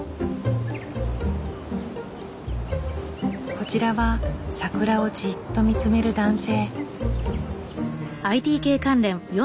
こちらは桜をじっと見つめる男性。